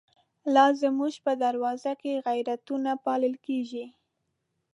لازموږ په دروازوکی، غیرتونه پالل کیږی